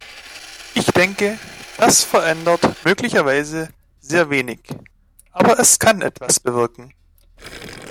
Ich denke, das verändert möglicherweise sehr wenig, aber es kann etwas bewirken.